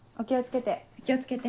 お気を付けて。